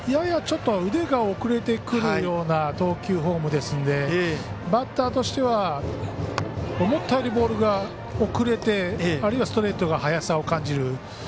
やや腕が遅れてくるような投球フォームですのでバッターとしては思ったよりボールが遅れて、あるいはストレートが速さを感じる。